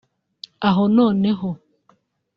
Aha noneho